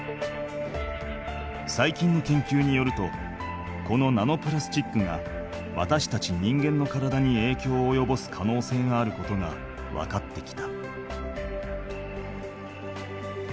さいきんの研究によるとこのナノプラスチックがわたしたち人間の体に影響をおよぼす可能性があることが分かってきた。